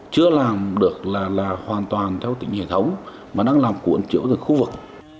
chưa làm được là hoàn toàn theo tính hệ thống mà đang làm cuộn triệu ra khu vực